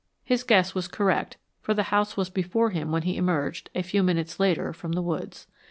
His guess was correct, for the house was before him when he emerged, a few minutes later, from the woods.